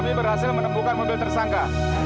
kami berhasil menemukan mobil tersangka